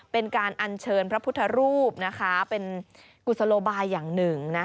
เป็นการอัญเชิญพระพุทธรูปเป็นกุศโลบายอย่างหนึ่ง